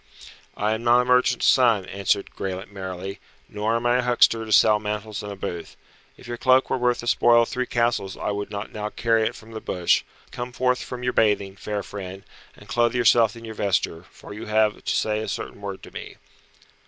"I am not a merchant's son," answered Graelent merrily, "nor am I a huckster to sell mantles in a booth. If your cloak were worth the spoil of three castles I would not now carry it from the bush. Come forth from your bathing, fair friend, and clothe yourself in your vesture, for you have to say a certain word to me."